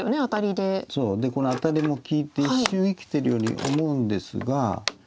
でこのアタリも利いて一瞬生きてるように思うんですが。